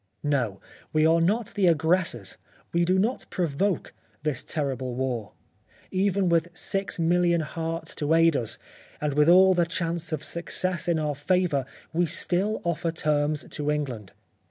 No — we are not the ag gressors— we do not provoke this terrible war — Even with six million hearts to aid us, and with all the chances of success in our favour we still offer terms to England.